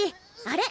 あれ？